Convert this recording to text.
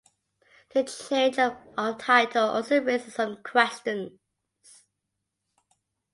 The change of title also raises some questions.